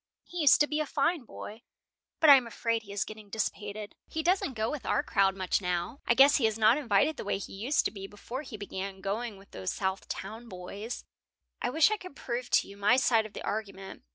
He used to be a fine boy, but I am afraid he is getting dissipated. He doesn't go with our crowd much now. I guess he is not invited the way he used to be before he began going with those South Town boys." "I wish I could prove to you my side of the argument.